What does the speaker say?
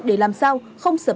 để làm sao không sợ